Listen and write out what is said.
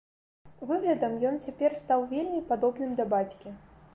Выглядам ён цяпер стаў вельмі падобным да бацькі.